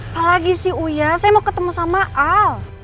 apalagi sih uya saya mau ketemu sama andin